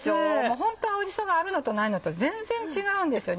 ホント青じそがあるのとないのと全然違うんですよね。